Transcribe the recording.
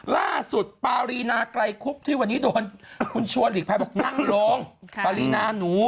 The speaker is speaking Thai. ล่าสุดปารีนาไกลคุกที่วันนี้โดนคุณชัวร์หลีกภายบอกนั่งลงค่ะปารีนาหนู